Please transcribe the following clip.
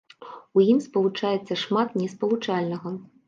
У ім спалучаецца шмат неспалучальнага.